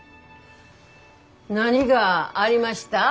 何がありました？